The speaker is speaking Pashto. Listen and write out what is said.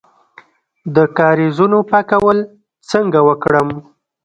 د کاریزونو پاکول څنګه وکړم؟